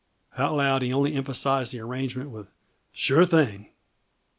Out loud he only emphasized the arrangement with: "Sure thing!"